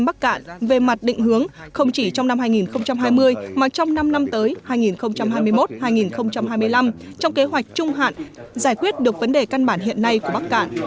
bắc cạn về mặt định hướng không chỉ trong năm hai nghìn hai mươi mà trong năm năm tới hai nghìn hai mươi một hai nghìn hai mươi năm trong kế hoạch trung hạn giải quyết được vấn đề căn bản hiện nay của bắc cạn